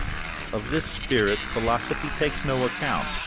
Of this spirit philosophy takes no account.